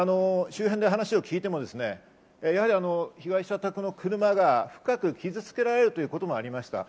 周辺で話を聞いても被害者宅の車が深く傷付けられるということもありました。